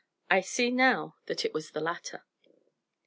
I see now that it was the latter."